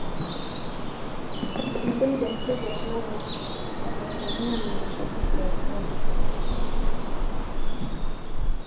Ni mpenzi wa michezo ya klabu za Tanzania na ni shabiki wa Simba